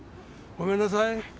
ごめんなさい。